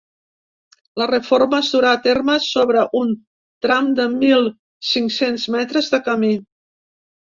La reforma es durà a terme sobre un tram de mil cinc-cents metres de camí.